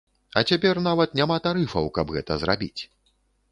А цяпер нават няма тарыфаў, каб гэта зрабіць.